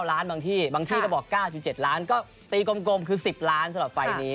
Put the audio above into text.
ล้านบางที่บางที่ก็บอก๙๗ล้านก็ตีกลมคือ๑๐ล้านสำหรับไฟล์นี้